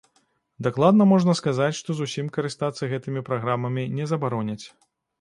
Дакладна можна сказаць, што зусім карыстацца гэтымі праграмамі не забароняць.